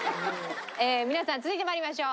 皆さん続いてまいりましょう。